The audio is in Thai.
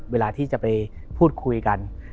เวลาที่จะไปพูดคุยกัน